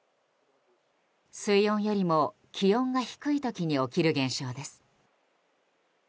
水温よりも気温が低い時に起きる現象です。